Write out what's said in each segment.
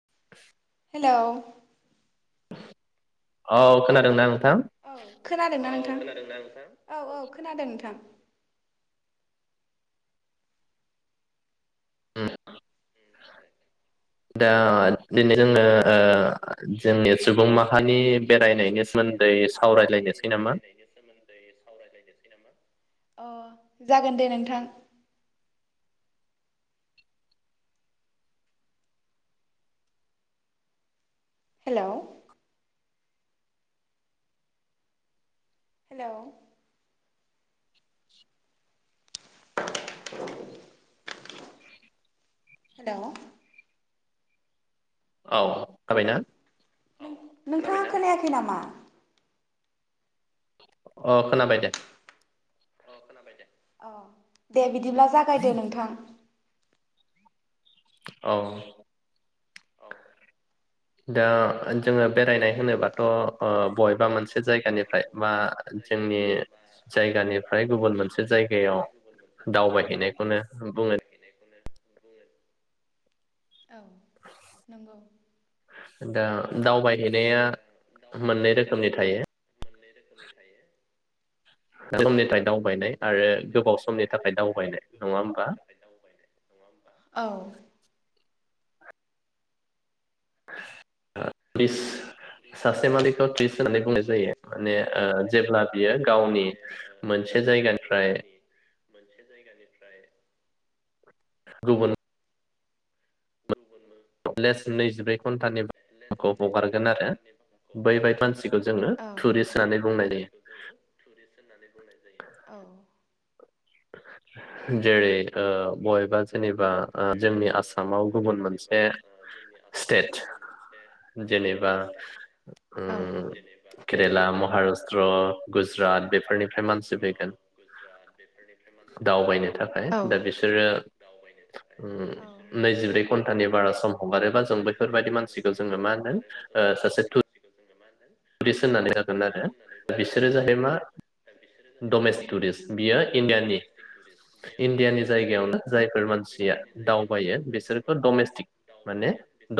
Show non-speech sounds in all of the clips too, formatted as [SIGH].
[INAUDIBLE] Hello औ खोनादों ना नों औ खोनादों ना नोंथां नोंथां औ औ खोनादों नोंथां ओम दा दिनै जोङो ओ जोंनि सुबुं माहानि बेरायनायनि सोमोन्दै सावरायलायनोसै नामा अ जागोन दे नोंथां हेलौ हेलौ [INAUDIBLE] [INAUDIBLE] हेलौ औ थाबायना नों नोंथाङा खोनायाखै नामा अ खोनाबाय दे खोनाबाय दे अ दे बिदिब्ला जागायदो नोंथां औ औ दा जोङो बेरायनाय होनोबाथ अ बबेबा मोनसे जायगानिफ्राय बा जोंनि जायगानिफ्राय गुबुन मोनसे जायगायाव दावबायहैनायखौनो बुङो [UNINTELLIGIBLE] औ नंगौ दा दाउबाय दा दावबायहैनाया थायो मोननै रोखोमनि थायो समनि थाखाय दा दावबायनाय आरो दसे समनि गोबाव थाखाय दावबायनाय आरो नङा गोबाव होमबा समनि थाखाय दावबायनाय नङा होमबा औ टिस्ट सासे मालिखौ टिस्ट होननानै बुंनाय जायो माने ओ जेब्ला बियो गावनि मोनसे जायगानिफ्राय फ्राय गुबुन लेस नैजिब्रै घन्टानि खौ हगारगोन आरो बैबायदि मानसिखौ औ जोङो टुरिस्ट होननानै बुंनाय जायो औ। जेरै ओ बबेबा जेनेबा ओ जोंनि आसामाव गुबुन मोनसे स्टेट जेनेबा औ ओम केरेला महाराष्ट्र गुजरात बेफोरनिफ्राय मानसि फैगोन। दावबायनो थाखाय औ दा बिसोरो उम नैजिब्रै घन्टानि बारा सम हगारोबा जों बैफोरबायदि मानसिखौ जोङो मा होनदों सासे टु टुरिस्त होननानै जागोन आरो बिसोरो जाहै मा डमेस्ट टुरिस्ट बियो इण्डियानि इण्डियानि जायगायावनो जायफोर मानसि सिया दावबायो बिसोरखौ डमेस्टिक माने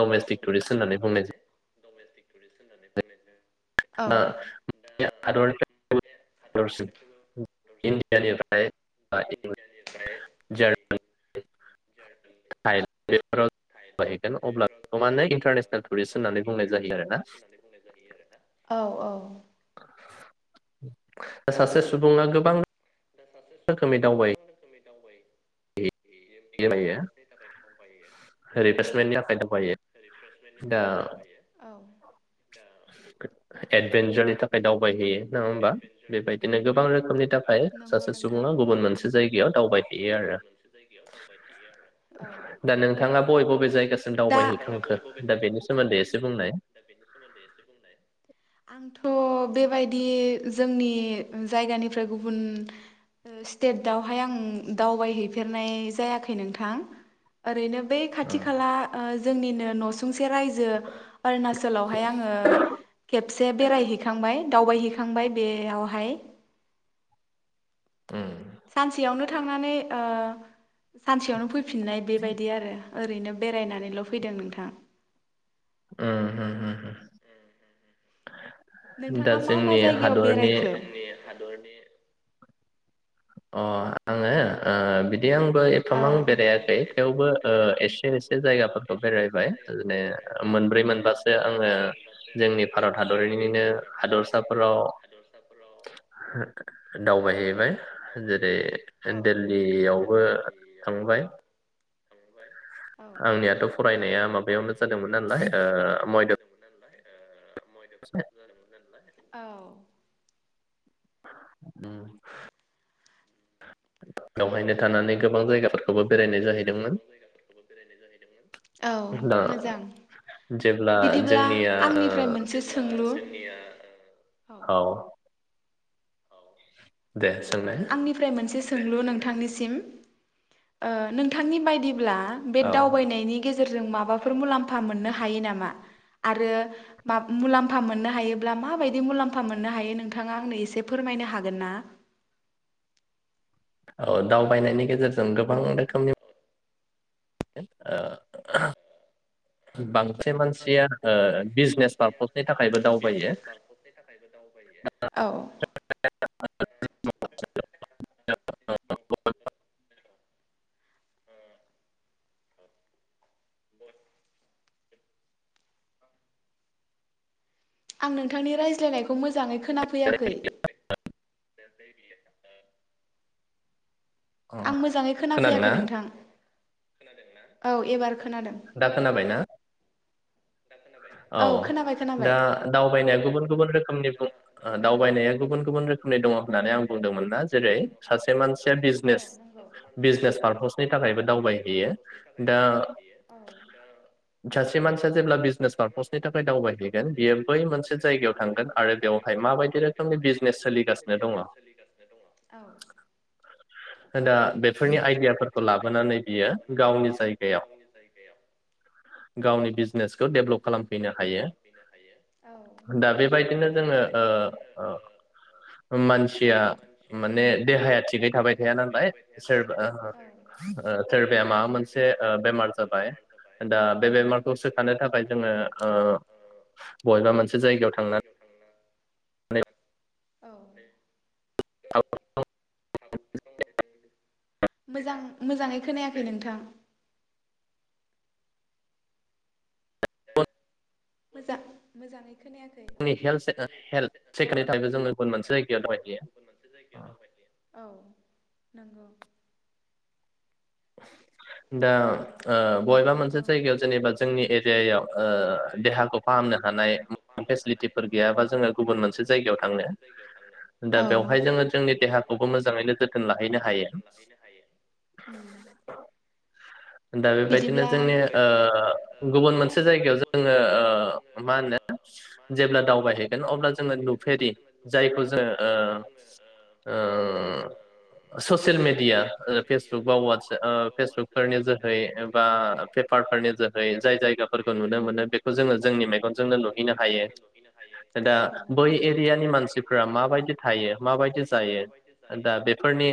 डमेस्टिक टुरिस्ट होननानै बुंनाय जायो। टुरिस्ट होननानै बुंनाय जा [UNINTELLIGIBLE] [UNINTELLIGIBLE] अब्ला बेखौ माने इन्टारनेसनेल टुरिस्ट होननानै बुंनाय जायो आरोना। औ औ। सासे सुबुङा गोबां दा सासे रोखोमै सुबुङा गोबां रोखोमै [UNINTELLIGIBLE] रिप्लेसमेन्टनि थाखाय दावबायो दा औ एडभेन्सारनि थाख खाय दावबायहैयो। नङा होमबा बेबायदिनो गोबां रोखोमनि थाखाय सासे सुबुङा गुबुन मोनसे जायगायाव दावबायहैयो आरो। आरो दा नोंथाङा बबे बबे जाय दा एसे बुंनाय आंथ' बेबायदि जोंनि जायगानिफ्राय गुबुन ओ स्टेटआवहाय आं दावबायहैफेरनाय जायाखै नोंथां ओरैनो बे खाथि उम खा खाला ओ जोंनिनो न'सुंसे रायजो अरुणाचलावहाय आङो खेब से बेरायहैखांबाय दावबायहैखांबाय बेयावहाय। उम। सानसेयावनो थांनानै ओ सानसेयावनो फैफिननाय बेबायदि आरो। ओरैनो बेरायनानैल' फैदों नोंथां। उम होम होम होम। नोंथाङा मा मा जायगायाव हादरनि बेरायखो? अ आङो ओ बि दि आंबो एफामां आं बेरायाखै थेवबो ओ एसे एसे जायगाफोरखौ बेरायबाय जे मोनब्रै औ मोनबासो आङो जोंनि भारत हादरिनिनो हादरसाफोराव दावबायहैबाय। जेरै दिललियावबो ओ थांबाय औ आंनियाथ' फरायनाया माबा बेयावनो जादोंमोन नालाय ओ मयध औ उम [UNINTELLIGIBLE] थानानै गोबां जायगाफोरखौबो बेरायनाय जाहैदोंमोन औ दा मोजां जेब्ला बिदिब्ला जोंनिया ओ, आंनिफ्राय मोनसे सोंलु औ दे सोंनाय आंनिफ्राय मोनसे सोंलु नोंथांनिसिम ओ नोंथांनि बायदि बे औ दावबायनायनि गेजेर माबाफोर मुलाम्फा मोननो हायो नामा आरो मुलाम्फा मोननो हायोब्ला माबायदि मुलाम्फा मोननो हायो नोंथाङा आंनो एसे फोरमायनो हागोन ना औ दावबायनायनि गेजेरजों गोबां रोखोमनि [UNINTELLIGIBLE] ओह बांसिन मानसिया। ओ खायसे बिजनेस मानसिया पारपसनि थाखायबो ओह दावबायो बिजनेस पारफबनि थाखायबो दावबायो ओउ [UNINTELLIGIBLE] [UNINTELLIGIBLE] औ-औ आं नोंथांनि रायज्लायनायखौ मोजाङै खो खोनाफैयाखै अ आं मोजाङै खोनादोंना खोनाफैयाखै नोंथां। औ एबार खोनादों दा खोनाबायना? औ खोनाबाय खोनाबाय दा दावबायनाया गुबुन गुबुन रोखोमनि बुं दावबायनाया गुबुन गुबुन रोखोमनि दङ होननानै आं बुंदोंमोन ना जेरै सासे मानसिया बिजनेस बिजनेस पारपसनि थाखायबो दावबायहैयो दा सासे मानसिया जेब्ला बिजनेस फारपस्टनि थाखाय दावबायहैगोन बियो बै मोनसे जायगायाव थांगोन आरो बेवहाय माबायदि रोखोमनि बिजनेस सोलिगासिनो दङ [UNINTELLIGIBLE] बेफोरनि आइदियाफोरखौ लाबोनानै बियो गावनि जायगायाव गावनि बिजनेसखौ डेबलप खालामफैनो हायो दङ दा बेबायदिनो जोङो ओ-ओ मानसिया माने देहाया थिगै थाबाय थाया नालाय सोरबा ओ-ओ सोरबाया माबा मोनसे ओ बेमार जाबाय दा बे बेमारखौ सोखानो थाखाय जोङो बबेबा मोनसे जायगायाव थांनानै। ओउ। [UNINTELLIGIBLE] गावनि मोजां मोजाङै खोनायाखै नोंथां। मोजां मोजाङै खोनायाखै दा हेल्थ जोंनि हेल हेल्थ चेकनि थाखायबो [UNINTELLIGIBLE] जोङो गुबुन मोनसे सेकाबनि जायगायाव थाखायबो जोङो दावबायहैयो गुबुन मोनसे जायगायाव दाबायहैयो ओउ नोंगौ। द दा बबेबा मोनसे जायगायाव जेनेबा जोंनि एरियायाव देहाखौ फाहामनो हानाय फेसिलिटिफोर गैयाबा जोङो गुबुन मोनसे जायगायाव थांनो दा थांनो बेवहाय जोङो जोंनि देहाखौबो मोजाङैनो जोथोन लाहैनो हायो। उम दा बेबायदिनो जोंनि गुबुन मोनसे जायगायाव जोङो मा होनो जेब्ला दावबायहैगोन अब्ला जोङो नुफेरि जायखौ जोङो ससियेल मेडिया फेसबुक बा वाटसप फेसबुकफोरनि जो जोै बा पेपारफोरनि जोहै जाय जायगाफोरखौ नुनो मोनो बेखौ जोङो जोंनि मेगनजोंनो लुहैनो हायो दा बै औ एरियानि मानसिफ्रा माबायदि थायो माबायदि जायो दा बेफोरनि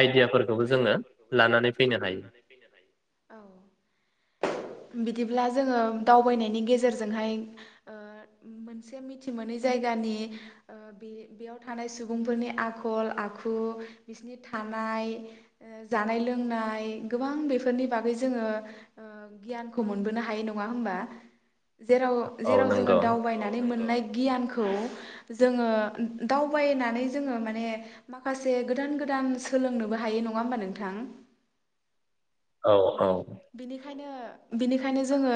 आइदियाफोरखौबो जोङो लानानै फैनो हायो लानानै फैनो हायो औ बिदिब्ला जोङो दावबायनायनि गेजेरजों जोंहाय ओ मोनसे मोनथि मोनै जायगानि ओ बे- बेयाव थानाय सुबुंफोरनि आखल आखु बिसोरनि थानाय जानाय लोंनाय। गोबां बेफोरनि बागै जोङो ओ गियानखौ मोनबोनो हायो नङा होमबा। जेराव औ जेराव जोङो नंगौ दावबायनानै मोननाय गियानखौ जोङो दावबायनानै जोङो माने माखासे गोदान गोदान सोलोंनोबो हायो नङा होमबा नोंथां। औ औ बिनिखायनो बिनिखायनो जोङो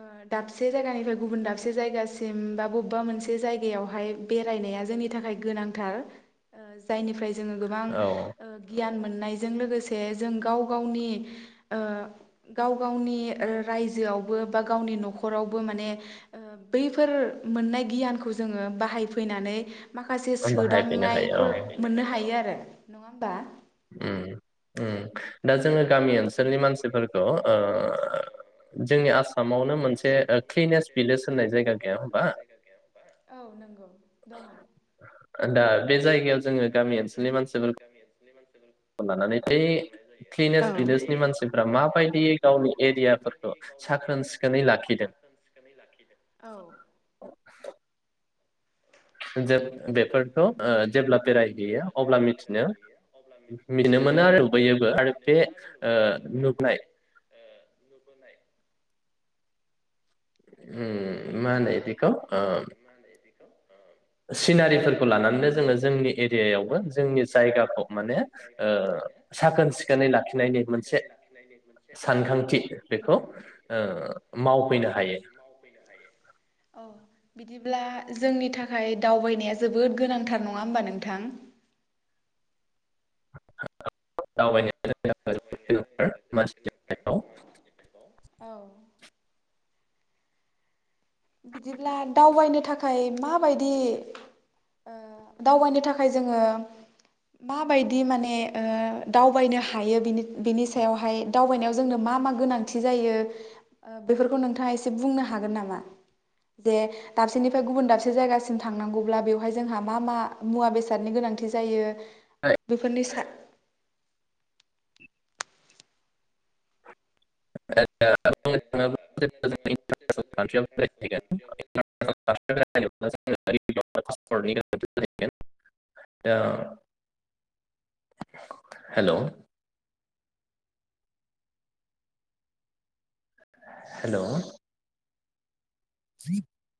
ओह दाबसे जायगानिफ्राय गुबुन दाबसे जायगासिम बा बबेबा मोनसे जायगायावहाय बेरायनाया जोंनि थाखाय गोनांथार ओह जायनिफ्राय ज गोबां औ गियान मोननायजों लोगोसे जों गाव गावनि ओ गाव गावनि रायजोआवबो बा गावनि न'खरावबो माने बैफोर मोननाय गियानखौ जोङो बाहायफैनानै माखासे बाहायफैनो हायो सोदांनायखौ औ मोननो हायो आरो नङा होमबा। उ उ दा जोङो गामि ओनसो सोलनि मानसिफोरखौ ओह जोंनि आसामावनो मोनसे क्लिनेस भिलेज होननाय जायगा गैया होमबा। ओउ नोंगौ दङ। दा बे जायगायाव जोङो गामि ओनसोलनि मानसिफोर लानानै थांनाय क्लिनेस जायो बे भिलेजनि मानसिफ्रा क्लिनज माबायदियै भिलेजनि गावनि मानसिफ्रा माबायदि एरियाफोरखौ गाव साखोन सिखोनै एरियाफोरखौ लाखिदों साखोन सिखोनै लाखिदों औ जों बेफोरखौ ओ जेब्ला बेफोरखौ बेरायहैयो ओह अब्ला जेब्ला मिथिनो बेरायहैयो अब्ला मिथिनो मोनो आरो नुबोयोबो आरो मिथिनो बे मोनो आरो नुबोयोबो ओ आरो नुनाय बे ओह नुबोनाय। मानदिखौ [UNINTELLIGIBLE] [UNINTELLIGIBLE] बिखौ सिनारिफोरखौ लानानैनो जोङो जोंनि एरियायावबो जोंनि जायगाखौ माने ओ साखोन सिखोनै लाखिनायनि मोनसे सानखांथि बेखौ ओ मावफैनो हायो औ बिदिब्ला जोंनि थाखाय दावबायनाया जोबोद गोनांथार नङा होमबा नोंथां [UNINTELLIGIBLE] औ बिदिब्ला दावबायनो थाखाय माबायदि ओ दावबायनो थाखाय जोङो माबायदि माने ओ दावबायनो हायो बिनि-बिनि सायावहाय दावबायनायाव जोंनो मा मा गोनांथि जायो ओ बेफोरखौ नोंथाङा एसे बुंनो हागोन नामा दे दाबसेनिफ्राय गुबुन दाबसे जायगासिम थांनांगौब्ला बेवहाय जोंहा मा मा मुवा बेसादनि गोनांथि जायो बेफोरनि सा [UNINTELLIGIBLE] [UNINTELLIGIBLE] [UNINTELLIGIBLE] [UNINTELLIGIBLE] [UNINTELLIGIBLE] हेलौ हेलौ [INAUDIBLE]